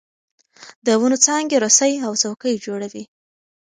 د ونو څانګې رسۍ او څوکۍ جوړوي.